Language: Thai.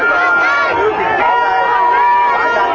สวัสดีครับ